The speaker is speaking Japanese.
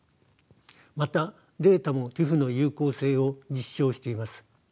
またデータもＴＩＰＨの有効性を実証しています。